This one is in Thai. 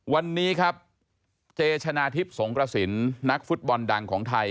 วันนี้ครับเจชนะทิพย์สงกระสินนักฟุตบอลดังของไทย